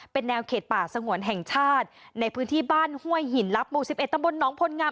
เป็นแนวเขตป่าสงวนแห่งชาติในพื้นที่บ้านห้วยหินลับหมู่๑๑ตำบลน้องพลงาม